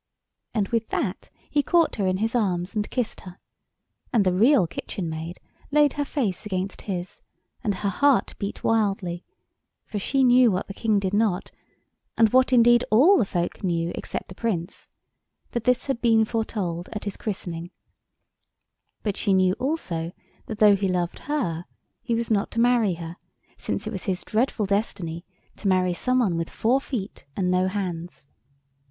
And with that he caught her in his arms and kissed her; and the Real Kitchen Maid laid her face against his, and her heart beat wildly, for she knew what the Prince did not, and what, indeed, all the folk knew except the Prince, that this had been foretold at his christening; but she knew also that though he loved her, he was not to marry her, since it was his dreadful destiny to marry some one with four feet and no hands.